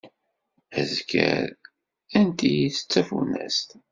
Azger unti-is d tafunast.